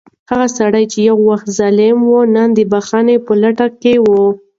هغه سړی چې یو وخت ظالم و، نن د بښنې په لټه کې و.